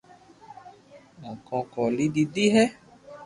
اونکو کولي ديدي ھي